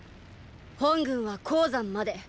本軍は黄山まで。